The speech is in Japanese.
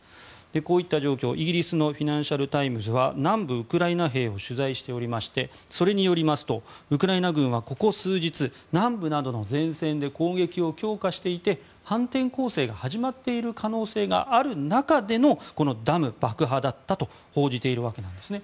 こういった状況、イギリスのフィナンシャル・タイムズは南部ウクライナ兵を取材しておりましてそれによりますとウクライナ軍はここ数日南部などの前線で攻撃を強化していて反転攻勢が始まっている可能性がある中でのダム爆破だったと報じているわけなんですね。